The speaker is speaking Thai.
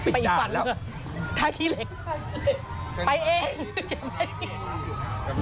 ไปอีกฝั่งเลยเท้าที่เหล็กไปเอง